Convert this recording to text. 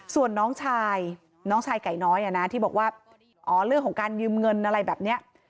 ส่วนน้องชายน้องชายไก่น้อยที่บอกว่าอ๋อเรื่องของการยืมเงินอะไรแบบนี้